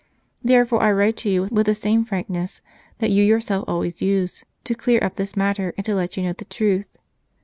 Therefore I write to you with the same frankness that you yourself always use, to clear up this matter and to let you know the truth.